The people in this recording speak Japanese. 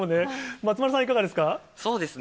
松丸さんはいかがですか。